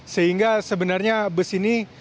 sehingga sebenarnya bus ini